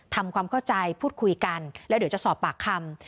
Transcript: ทำความเข้าใจพูดคุยกันแล้วเดี๋ยวจะสอบปากคำ